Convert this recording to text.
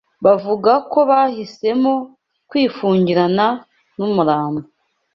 bavuga ko bahisemo kwifungirana n’umurambo